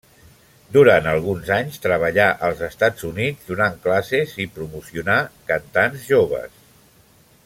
Durant alguns anys treballà als Estats Units donant classes i promocionà cantants joves.